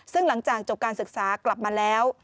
ซึ่งหลังจากจบการศึกษากลับมาแล้ว